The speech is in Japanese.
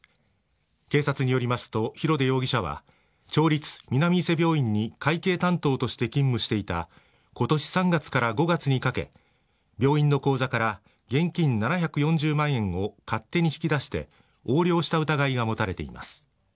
警察によりますと広出容疑者は町立南伊勢病院に会計担当として勤務していた今年３月から５月にかけ病院の口座から現金７４０万円を勝手に引き出して横領した疑いが持たれています。